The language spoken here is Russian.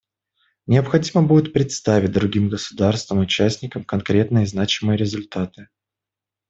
Необходимо будет представить другим государствам-участникам конкретные и значимые результаты.